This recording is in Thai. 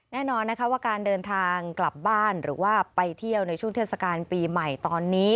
แน่นอนนะคะว่าการเดินทางกลับบ้านหรือว่าไปเที่ยวในช่วงเทศกาลปีใหม่ตอนนี้